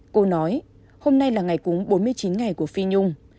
cô nói hôm nay là ngày cúng bốn mươi chín ngày của phi nhung